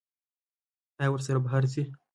ایا ورسره بهر ځئ؟